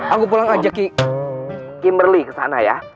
aku pulang ajak kimberly kesana ya